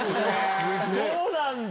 そうなんだ。